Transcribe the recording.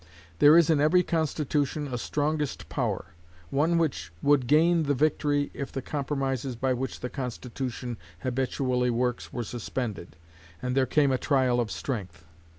There is in every constitution a strongest power one which would gain the victory if the compromises by which the Constitution habitually works were suspended, and there came a trial of strength.